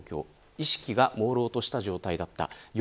意識がもうろうとした状態だった。